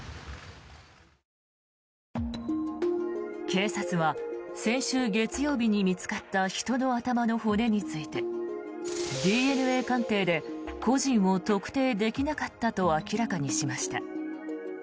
警察は先週月曜日に見つかった人の頭の骨についてＤＮＡ鑑定で個人を特定できなかったと明らかにしました。